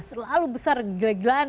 selalu besar gelap gelap